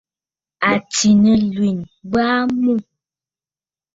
Àtì nɨlwèn a bə aa mû.